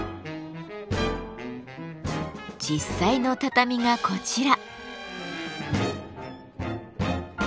実際の畳がこちら。